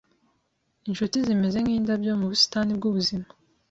Inshuti zimeze nkindabyo mu busitani bwubuzima.